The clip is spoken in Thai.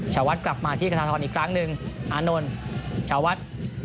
ชาวัดกลับมาที่กระธนทรอีกครั้งหนึ่งอานนท์ชาวัฒน์